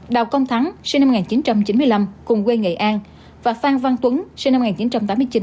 đào công thắng sinh năm một nghìn chín trăm chín mươi năm cùng quê nghệ an và phan văn tuấn sinh năm một nghìn chín trăm tám mươi chín